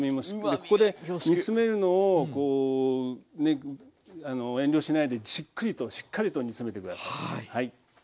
ここで煮詰めるのをこう遠慮しないでじっくりとしっかりと煮詰めて下さい。